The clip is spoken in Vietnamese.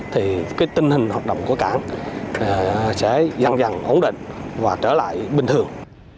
thì tình hình hoạt động của cảng sẽ dằn dằn ổn định và trở lại bình thường